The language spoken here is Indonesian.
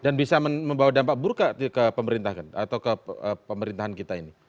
dan bisa membawa dampak burka ke pemerintahan atau ke pemerintahan kita ini